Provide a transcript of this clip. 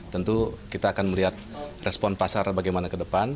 tentu kita akan melihat respon pasar bagaimana ke depan